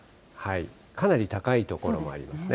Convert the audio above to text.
かなり高い所もありますね。